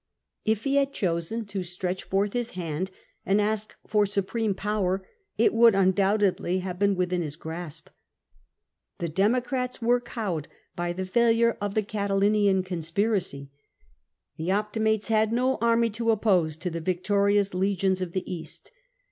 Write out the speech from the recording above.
If he had chosen to stretch forth his hand and ask fox supreme power, it would undoubtedly have been within his grasp. The Democrats were cowed by the failure of the Cati linian conspiracy ; the Optimates had no army to oppose to the victorious legions of the East.